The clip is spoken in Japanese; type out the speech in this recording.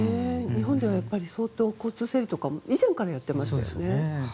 日本では交通整理とかも以前からやってましたよね。